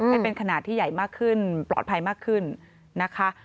ให้เป็นขนาดที่ใหญ่มากขึ้นปลอดภัยมากขึ้นนะคะ